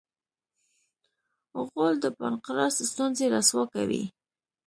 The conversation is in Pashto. غول د پانقراس ستونزې رسوا کوي.